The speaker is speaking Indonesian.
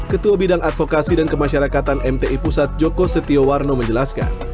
ketua bidang advokasi dan kemasyarakatan mti pusat joko setiowarno menjelaskan